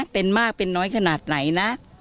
เป็นมากเป็นน้อยขนาดไหนนะ